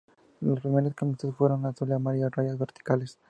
Las primeras camisetas fueron azul y amarillo a rayas verticales.